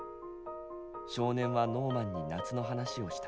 少年はノーマンに夏の話をした。